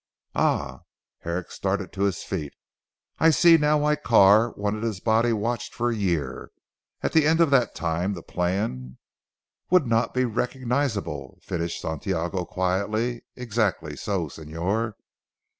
"Ah!" Herrick started to his feet, "I see now why Carr wanted his body watched for a year! At the end of that time the plan ' "Would not be recognisable," finished Santiago quietly. "Exactly so, Señor.